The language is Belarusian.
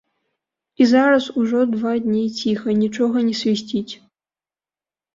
І зараз ужо два дні ціха, нічога не свісціць.